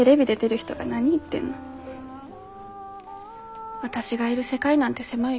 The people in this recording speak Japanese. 私がいる世界なんて狭いよ。